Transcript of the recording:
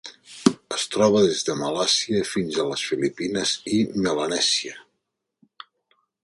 Es troba des de Malàisia fins a les Filipines i Melanèsia.